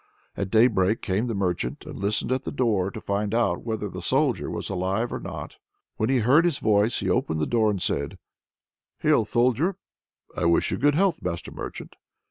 At daybreak came the merchant, and listened at the door to find out whether the Soldier was alive or not. When he heard his voice he opened the door and said "Hail, Soldier!" "I wish you good health, master merchant."